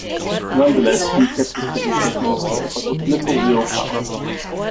Nonetheless, He kept his position as minister but with little real power.